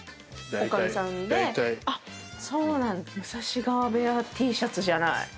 武蔵川部屋Ｔシャツじゃない。